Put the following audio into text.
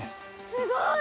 すごい！